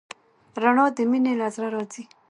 رڼا د مینې له زړه راځي.